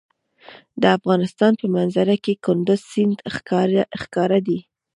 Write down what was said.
د افغانستان په منظره کې کندز سیند ښکاره دی.